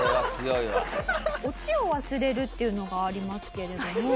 オチを忘れるっていうのがありますけれども。